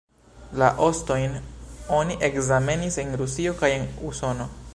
La ostojn oni ekzamenis en Rusio kaj en Usono.